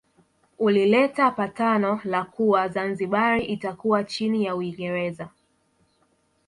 Ulileta patano la kuwa Zanzibar itakuwa chini ya Uingereza